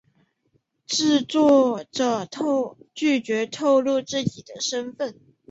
制作者拒绝透露自己的身份。